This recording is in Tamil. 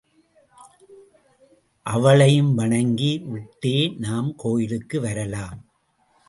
அவளையும் வணங்கி விட்டே நாம் கோயிலுக்கு வரலாம்.